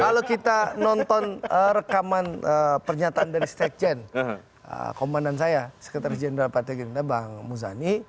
kalau kita nonton rekaman pernyataan dari stekjen komandan saya sekretaris jenderal pak tegin bang muzanji